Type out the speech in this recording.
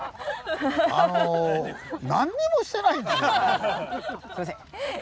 あのすいません。